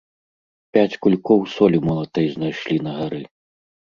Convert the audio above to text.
Пяць кулькоў солі молатай знайшлі на гары.